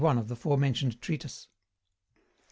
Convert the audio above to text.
41 of the fore mentioned treatise. 44.